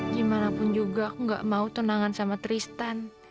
gimana pun juga aku gak mau tenangan sama tristan